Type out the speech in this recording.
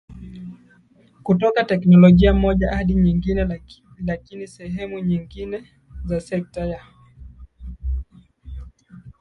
kutoka teknolojia moja hadi nyingine lakini sehemu nyingine za sekta ya